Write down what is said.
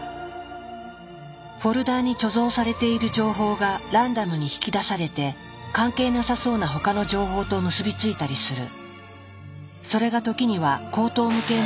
フォルダーに貯蔵されている情報がランダムに引き出されて関係なさそうな他の情報と結び付いたりする。